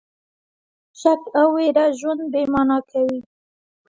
شک او ویره ژوند بې مانا کوي.